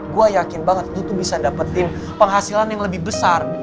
gue yakin banget tuh bisa dapetin penghasilan yang lebih besar